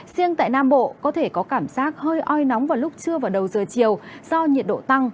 riêng tại nam bộ có thể có cảm giác hơi oi nóng vào lúc trưa và đầu giờ chiều do nhiệt độ tăng